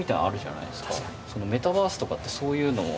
そのメタバースとかってそういうのも？